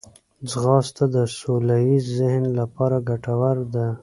ځغاسته د سوله ییز ذهن لپاره ګټوره ده